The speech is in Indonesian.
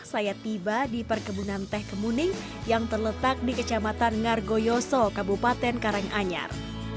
saya tiba di perkebunan teh kemuning yang terletak di kecamatan ngargoyoso kabupaten karanganyar